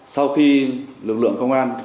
sau khi lực lượng công an